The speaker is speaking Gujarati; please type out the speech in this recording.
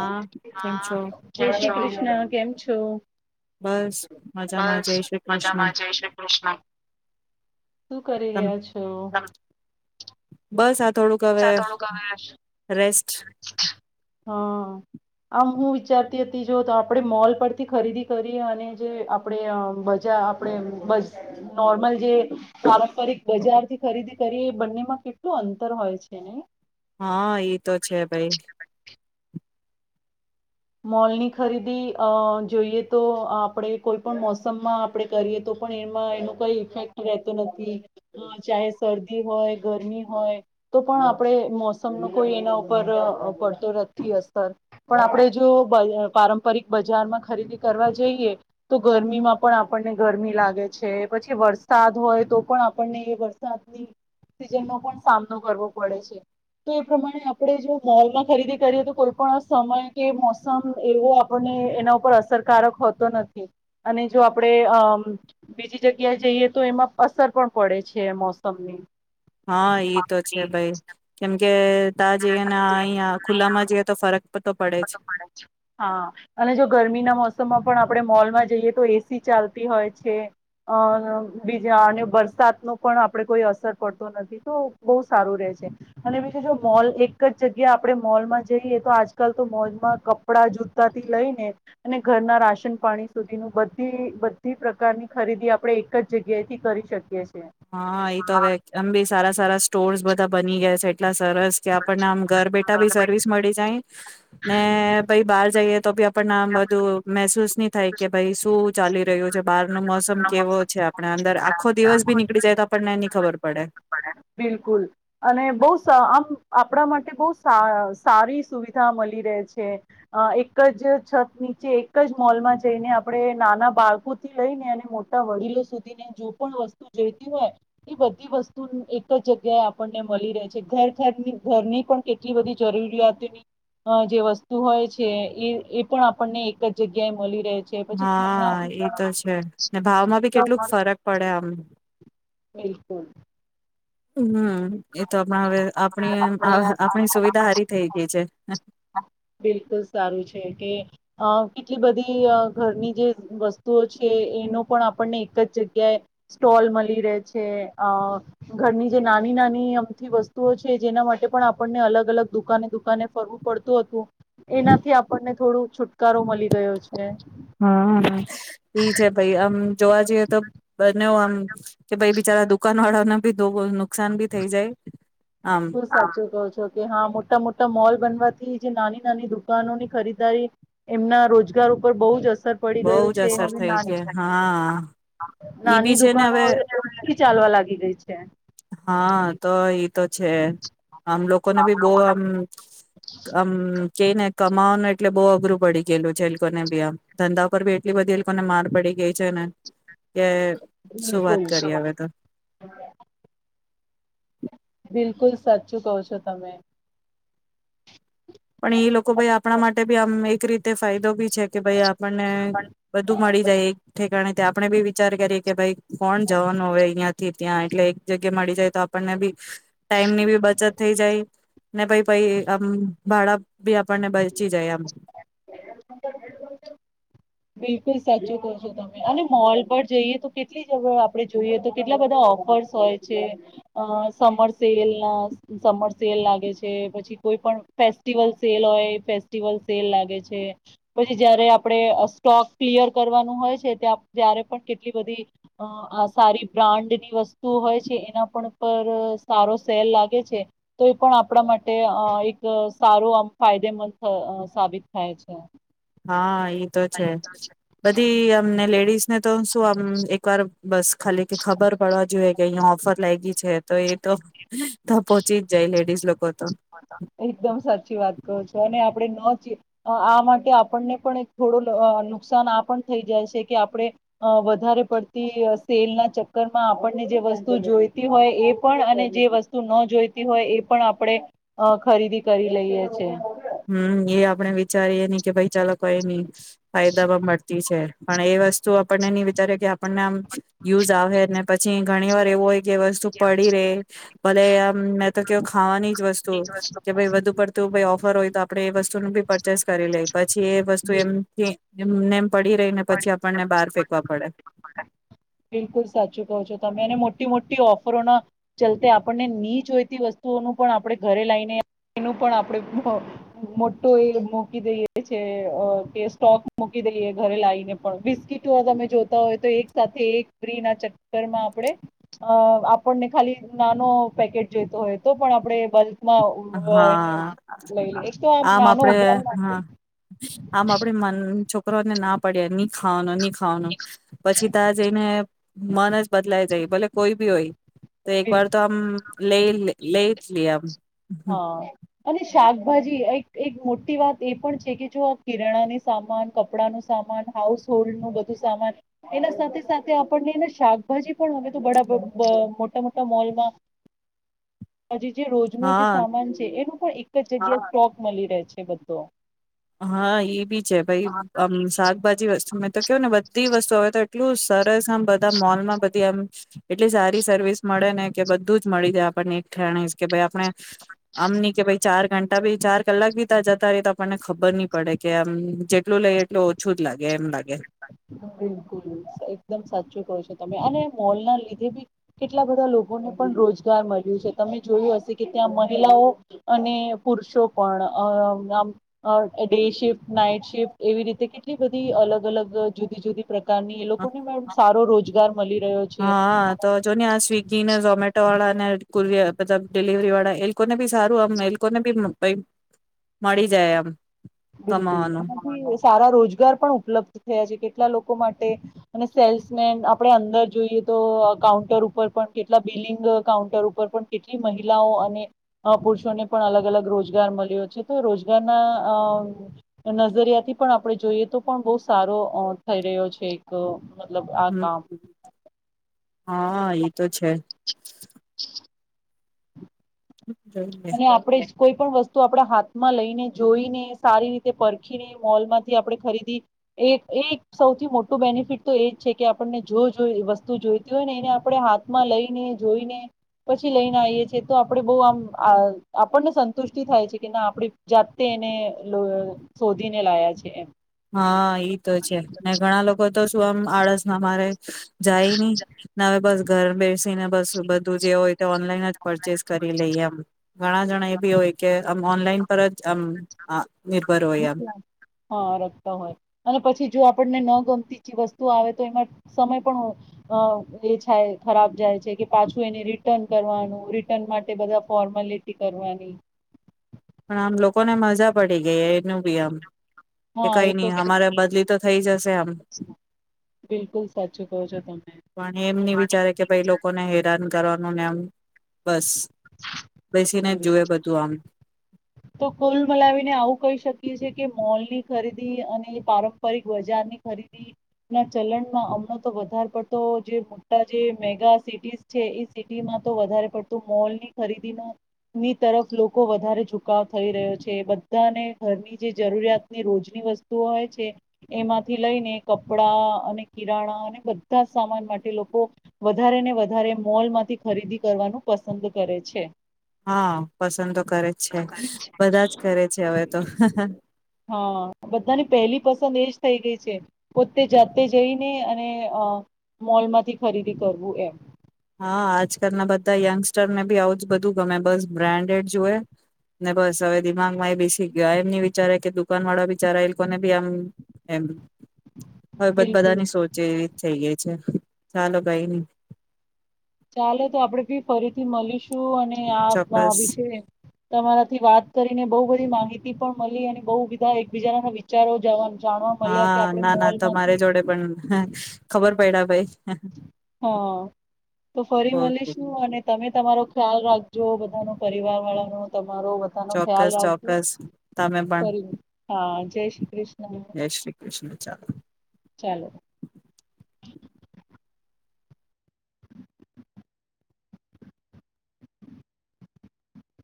હા કેમ છો જય શ્રી કૃષ્ણ કેમ અછો. બસ મજામાં બસ જય શ્રી કૃષ્ણ મજામાં જઈ શ્રી કૃષ્ણ. શું કરી તમ રહ્યા છો. બસત. થોડુંક હવે રેસ્ટ [inaudible] હમ આમ હું વિચારતી હતી જો તો આપણે મોલ પરથી ખરીદી કરીએ અને જે આપણે બજાર આપણે નોર્મલ જે પારંપરિક બજારથી ખરીદી કરીએ એ બંનેમાં કેટલું અંતર હોય છે નઈ. હા એ તો છે ભાઈ. મોલની ખરીદી જોઈએ તો આપણે કોઈ પણ મોસમમાં આપણે કરીએ તો પણ એમાં એનો કઈ ઇફેક્ટ રહેતો નથી ચાહે શરદી હોય ગરમી હોય તો પણ આપણે મોસમનો કોઈ એના ઉપર પડતો નથી અસર પણ આપણે જો પારંપરિક બજારમાં ખરીદી કરવા જઈએ તો ગરમીમાં પણ આપણને ગરમી લાગે છે પછી વરસાદ હોય તો પણ આપણને એ વરસાદની સિઝનનો પણ સામનો કરવો પડે છે તો એ પ્રમાણે આપણે જો મોલમાં ખરીદી કરીએ તો કોઈ પણ સમય કે મોસમ એવો આપણને એના ઉપર અસરકારક હોતો નથી અને જો આપણેે અમ બીજી જગ્યાએ જઈએ તો એમાં અસર પણ પડે છે મોસમની. હા ઈ તો છે ભાઈ કેમ કે બધ જઈએ ને અહીંયા ખુલ્લામાં જઈએ તો ફરક તો પડે જ હા અને જો ગરમીના મોસમમાં પણ આપણે મોલમાં જઈએ તો એસી ચાલતી હોય છે અ બીજા અને વરસાદ ન પણ આપણે કોઈ અસર પડતો નથી તો બહુ સારું રહે છે અને બીજું જો મોલ એક જ જગ્યા આપણે મોલમાં જઈએ તો આજ આજકાલ તો મોજમાં કપડા જૂતા થી લઈને અને ઘરના રાશન પાણી સુધીનું બધી બધી પ્રકારની ખરીદી આપડણે એક જ જગ્યાએથી કરી શકીએ છએ. હા એ તો હવે એમ બી સારા સારા સ્ટોર્સ બધા બની ગયા છે. એટલા સરસ કે આપણને આમ ઘર બેઠા બી સર્વિસ મળી જાય ને ભાઈ બહાર જઈએ. તો પણમ બધું મહેસૂસ ન થાય કે ભાઈ શું ચાલી રહ્યું છે બાર નો મોસમ કેવો છે આપણે અંદર [inaudible] ચ આપ પણ ની ખબર પડે. બિલકુલ અને બહુ સ આમ આપણા માટે બહુ સા સારી સુવિધા મલી રે છે. અ એક જ છત નીચે એક જ મોલમાં જઈને આપણે નાના બાળકોથી લઈને અને મોટા વડીલો સુધીને જો પણ વસ્તુ જોઈતી હોય એ બધી વસ્તુ એ એક જ જગ્યાએ આપણને મલી રે છે. ઘર ઘરની ઘરની પણ કેટલી બધી જરૂરિયાતોની અ જે વસ્તુ હોય છે. એ એ પણ આપણને એક જ જગ્યાએ મલી રે હા એ તો છે ને ભાવમાં બી કેટલુંક ફરક પડે આમ. બિલકુલ હમ એ તો આપણા હવે આપણી આપણી સુવિધા હારી થઈ ગઈ છે. બિલકુલ સારું છે કે અ કેટલી બધી અ ઘરની જે વસ્તુઓ છે એનો પણ આપણને એક જ જગ્યાએ સ્ટોલ મલી રે છે. અ ઘરની જે નાની નાની અમથી વસ્તુઓ છે જેના માટે પણ આપણને અલગ અલગ દુકાને દુકાને ફરવું પડતું હતું એનાથી આપણને થોડું છુટકારો મલી ગયો છે. હહ ઈ છે ભઈ આમ જોવા જઈએ તો બનેઉ આમ કે ભાઈ બિચારા દુકાનવાળાને ભી ડોબલ નુક નુકસાન બી થઇ જાય. આમ બિલકુલ સાચું કહો છો કે હા મોટા મોટા મોલ બનવાથી જે નાની નાની દુકાનોની ખરીદારી એમના રોજગાર ઉપર બહુ જ અસ બહુ જ અસર થઈ છે. હા ઈ બી નાની છે ને દુકાનો હવે ઓછી ચાલવા લાગી ગઈ છે. [inaudible] હા તો ઈ તો છે. આમ લોકોને બી બહુ આમ આમ કઈને કમાવાનું એટલે બહુ અઘરું પડી ગેલું. જે લોકોને બી આમ ધંધા ઉપર બી એટલી બધી એ લોકોને માર પડી ગઈ છે ને. કે શું વાત બિલકુલ કરી હવે તો બિલકુલ સાચું કો છો તમે. પણ એ લોકો ભાઈ આપણા માટે બી આમ એક રીતે ફાયદો બી છે કે ભાઈ આપણને બધું મળી જાય એક ઠેકાણે તે આપણે બી વિચાર કરીએ કે ભાઈ કોણ જવાનું હવે અહિયાં થી ત્યાં એટલે એક જગ્યા મળી જાય તો આપણને બી ટાઈમની બી બચત થઈ જાય. ને ભઈ પહી આમ ભાડા બી આપણને બચી જાય આમ બિલકુલ સાચું કો છો તમે. અને મોલ પર જઈએ તો કેટલી જગ આપડે જોઈએ તો કેટલા બધા ઓફર્સ હોય છે. અ સમર સેલના સમર સેલ લાગે છે, પછી કોઈ પણ ફેસ્ટિવલ સેલ હોય ફેસ્ટિવલ સેલ લાગે છે, પછી જયારે આપણે અ સ્ટોક ક્લિયર કરવાનું હોય છે ત જ્યારે પણ કેટલી બધી અ આ સારી બ્રાન્ડની વસ્તુ હોય છે. એના પણ પર સારો સેલ લાગે છે. તો એ પણ આપણા માટે એક સારો આમ ફાયદેમંદ સાબિત થાય છે. હા એ ઈ તો છે. બધી અમને લેડ ને તો શું આમ એક વાર બસ ખાલી કે ખબર પડવા જોએ કે અહીયા ઓફર લાયગી છે તો એ તો તો પોહોંચી જ જાય લેડીઝ લોકો તો એકદમ સાચી વાત કો છો. અને આપડે ન [unintelligible] આ માટે આપણને પણ થોડું અ નુકસાન આ પણ થઈ જાય છે. કે આપડે અ વધારે પડતી સેલના ચક્કરમાં આપડને જે વસ્તુ જોઈતી હોય એ પણ અને જે વસ્તુ ન જોઈતી હોય એ પણ આપડે અ ખરીદી કરી લઈએ છીએ. હમ એ આપડે વિચારીએ ને કે ભઈ ચાલો કોઈ ની ફાયદામાં મળતી છે. પણ એ વસ્તુ આપડને ની વિચારીએ કે આપડને આમ યુઝ આવહે ને પછી ઘણી વાર એવુ હોય જે વસ્તુ પડી રે. ભલે આમ મે તો કેવુ ખાવાની વસ્તુ કે ભઈ વધુ પડતું ભઈ ઓ પરોય [unintelligible] તો આપડે એ વસ્તુનું બી પરચેસ કરી લઈએ જે એ વસ્તુ એમ એમ નેમ પડી રઈને પછી આપડને બાર ફેં વા પડે. બિલકુલ સાચું કહો છો તમે. ને મોટી-મોટી ઓફરોના ચલતે આપડને ની જોઈતી વસ્તુઓનું પણ આપડે ઘરે લાઈને એનું પણ આપડે મો મોટો એ મૂકી દઈએ છે અ કે સ્ટોક મૂકી દઈએ ઘરે લાઈને પણ બિસ્કીિટો તમે જોતા હોય તો એક સા એક ફ્રીના ચક્કરમાં આપડે અ આપડને ખાલી નાનો પેકેટ જોઈતો હોય તો પણ આપડે હા લે એક તો આમ નાનો આપડે ઉદાહરણ હા આપું આમ આપડે મન છો રો ને ના પડ્યે ની ખાવાનું ની ખાવાનું પછી ત્યાં જઈને મન જ બદલાઈ જાય. ભલે કોઈ બી હોય. તો એકવાર તો આમ લઈ લેઇટ લે અમ. હન અને શાક શાકભાજી એક-એક મોટી વાત એ પણ છે કે જો અ કિરણાની સામાન, કપડાનું સામાન, હાઉસ હોલ્ડનું બધું સામાન, એના સાથે-સાથે આપડને શાકભાજી પણ હવે તો બડા બ મોટા-મોટા મોલમાં હ જે જે રોજ નો જે હા સામાન છે એનું પણ એક જ જગ્યાએ સ્ટોક મલી રહે છે બધો. હા એ બી છે. ભઈ આમ શાકભાજી વસ્તુ મેં તો કેવુ ને બધી વસ્તુ [unintelligible] તો એટલું જ સ [unintelligible] બધા મોલમાં બધી આમ એટલી સારી સર્વિસ મળે ને કે બધું જ મળી જાય આપણને એકઠેણે કે ભાઈ આપણે આમની કે ભાઈ ચાર ઘંટા બી ચાર કલાક બી ત્યાં જતા રહી તો આપણને ખબર નઈ પડે કે આમ જેટલું લઈ એટલું ઓછું જ લાગે એમ લાગે બિલકુલ એકદમ સાચું છો તમે અને મોલ ના લીધે બી કેટલા બધા લોકોને પણ રોજગાર મળ્યું છે તમે જોયું હશે કે ત્યાં મહિલાઓ અને પુરુષો પણ અમ ડે શિફ્ટ નાઈટ શિફ્ટ એવી રીતે કેટલી બધી અલગ અલગ જુદી જુદી પ્રકારની એ લોકોને પણ સારો રોજગાર મળી રહ્યો છે. હા તો જો ને આ સ્વિગી ને ઝોમેટો વાળા કુરિયર મતલબ ડિલિવરી વાળા એ લોકોને બી સારું આમ એ લોકોને બી મળી જાય આમ બિલકુલ કમાવાનું એમાંથી સારા રોજગાર પણ ઉપલબ્ધ થયા છે કેટલા લોકો લોકો માટે અને સેલ્સમેન આપણે અંદર જોઈએ તો કાઉન્ટર ઉપર પણ કેટલા બિલિંગ કાઉન્ટર ઉપર પણ કેટલી મહિલાઓ અને પુરુષોને પણ અલગ અલગ રોજગાર મળ્યો છે તો રોજગારના નજરિયાથી પણ આપડણે જોઈએ તો પણ બહ સારો થઈ રહ્યો છે એક મતલબ આ હમ કામ હા એ તો છે. [inaudible] જોઈએ. અને આપડે કોઈ પણ વસ્તુ આપડા હાથમાં લઈને જોઈને સારી રીતે પરખીને મોલમાંથી આપણે ખરીદી એ એ સૌથી મોટું બેનિફિટ તો એજ છે કે આપણને જોઈ વસ્તુ જોઈતી હોય ને એને આપણે હાથમાં લઈને જોઈને આ આપણને સંતુષ્ટિ થાય છે કે ના આપણે જાતે એને શોધીને લાયા છે એમ હા તો છે ને ઘણા લોકો તો શું આમ આળસમાં મારે જાયની ને અવે બસ ઘર બેસ ને બસ બધું જે હોય ઓનલાઈન જ પરચેસ કરી લઈએ એમ ઘણા જણા એ બી હોય કે આમ ઓનલાઈન પર જ આ નિર્ભર હોય એમ આમ હા રખતા હોય અને પછી જો આપણને ન ગમતી વસ્તુ આવે તો એમાં સમય પણ એ થાય ખરાબ જાય છે કે પાછું એને રિટર્ન કરવાનું રિટર્ન માટે બધા ફોર્માલિટી કરવાની પણ આમ લોકો ને મજા પડી ગઈ નું બી આમ કે હા કઈ એ તો નઈ અમારે બદલી તો થઈ જશે આમ બિલકુલ સાચું કહો છો તમે પણ એમની વિચારે કે ભાઈ લોકોને હેરાન કરવાનું ને એમ બસ બેસીને જ બિલકુલ જુએ બધું આમ તો કુલ મલાવીને આવું કહી શકીએ છ છે કે મોલની ખરીદી અને પારંપરિક બજારની ખરીદી ના ચલણમાં હમણા તો વધારે પડતો જે મોટા જે મેગા સિટી છે એ સિટીમાં તો વધારે પડતું મોલની ખરીદીની તરફ લોકો વધારે છુકાવ થઈ રહ્યો છે બધાને ઘરની જે જરૂરિયાતની રોજની વસ્તુઓ હોય છે એમાંથી લઈને કપડા અને કિરાણા અને બધા સામાન માટે લોકો વધારે ને વધારે મોલમાંથી ખરીદી કરવાનું પસંદ કરે છે. હા પસંદ તો કરે છે બધા જ કરે છે હવે તો હા બધાની પહેલી પસંદ એજ થઈ ગઈ છે પોતે જાતે જઈને અને અ મોલમાંથી ખરીદી કરવું એમ હા આજકાલના બધા યંગસ્ટર બી આવુ જ બધું ગમે બસ બ્રાન્ડેડ જોુએ ને બસ હવે દિમાગમાં એ બેસી ગાયુ એમની વિચારે કે દુકાન વાળા બીચારા એ લોકોને બી એમ એમ હવે બધ બિલકુલ બધાની સોચે થઈ ગઈ છે ચાલો કઈ નઈ ચાલે તો આપડે બી ફરીથી મળીશું અને ચોક્કસ આપભીશે તમારાથી વાત કરીને બઉ બધી માહિતી પણ મળી અને બહુ બધા એકબીજાના વિચારો જવાનું હા ના ના તમારી જોડે પણ ખબર પડ્યા ભાઈ હા હા તો ફરી મળી ઓકે શું અને તમે તમારો ખ્યાલ રાખજો બધાો પરિવાર વાળાનોો ત મારો બધાનો ખ્યાલ ચોક્કસ રાખજો ચોક્કસ તમે પણ હા જય શ્રી કૃષ્ણ જય શ્રી કૃષ્ણ ચાલો. ચાલો